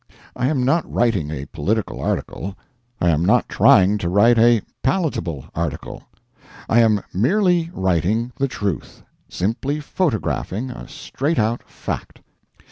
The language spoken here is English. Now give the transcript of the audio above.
I am not writing a political article; I am not trying to write a palatable article; I am merely writing the truth—simply photographing a straight out fact.